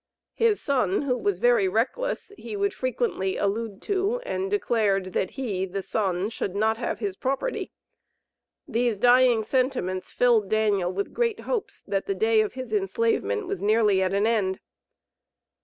His son, who was very reckless, he would frequently allude to and declared, "that he," the son, "should not have his 'property.'" These dying sentiments filled Daniel with great hopes that the day of his enslavement was nearly at an end.